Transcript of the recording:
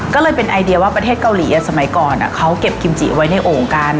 ก็เลยเป็นไอเดียว่าประเทศเกาหลีสมัยก่อนเขาเก็บกิมจิไว้ในโอ่งกัน